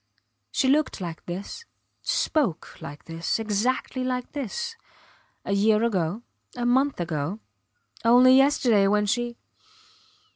She looked like this, spoke like this, exactly like this, a year ago, a month ago only yesterday when she.